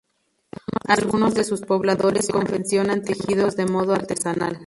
Algunos de sus pobladores confeccionan tejidos de modo artesanal.